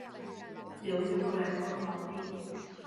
刘裕后来做了皇帝。